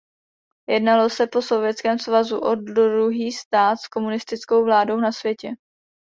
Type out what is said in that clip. Jednalo se po Sovětském svazu o druhý stát s komunistickou vládou na světě.